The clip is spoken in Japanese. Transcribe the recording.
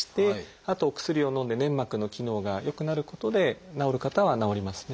あとお薬をのんで粘膜の機能が良くなることで治る方は治りますね。